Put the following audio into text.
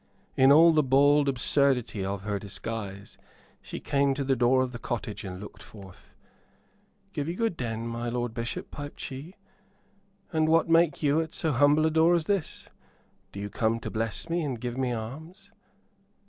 In all the bald absurdity of her disguise she came to the door of the cottage and looked forth. "Give you good den, my lord Bishop," piped she; "and what make you at so humble a door as this? Do you come to bless me and give me alms?"